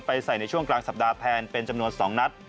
ใส่ในช่วงกลางสัปดาห์แทนเป็นจำนวน๒นัด